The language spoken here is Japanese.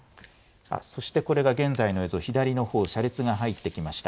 そしてこれが現在の映像、左のほう、車列が入ってきました。